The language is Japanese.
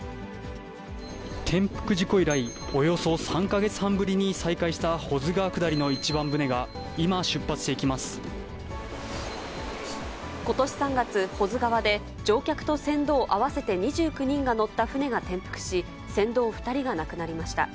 転覆事故以来、およそ３か月半ぶりに再開した保津川下りの一番船が今、出発してことし３月、保津川で、乗客と船頭合わせて２９人が乗った船が転覆し、船頭２人が亡くなりました。